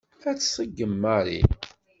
Ad tt-tṣeggem Mary.